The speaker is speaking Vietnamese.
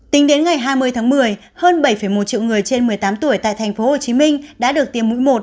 tính đến ngày hai mươi tháng một mươi hơn bảy một triệu người trên một mươi tám tuổi tại thành phố hồ chí minh đã được tiêm mũi một